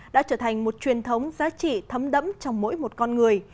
đã trở thành một truyền thống giá trị thấm đẫm trong mỗi một con người